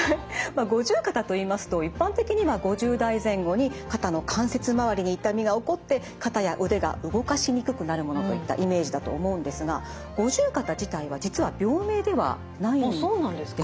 五十肩といいますと一般的には５０代前後に肩の関節まわりに痛みが起こって肩や腕が動かしにくくなるものといったイメージだと思うんですがあっそうなんですか？